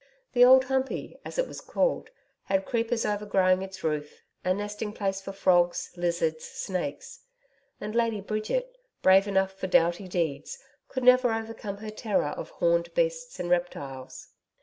The Old Humpey, as it was called, had creepers overgrowing its roof, a nesting place for frogs, lizards, snakes and Lady Bridget, brave enough for doughty deeds, could never overcome her terror of horned beasts and reptiles.